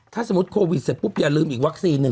ถ้าสมมุติโควิดเสร็จปุ๊บอย่าลืมอีกวัคซีนหนึ่ง